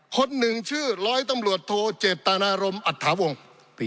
คนหนึ่งชื่อร้อยตำรวจโทเจตนารมอัตถาวงศ์